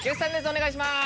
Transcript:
お願いします。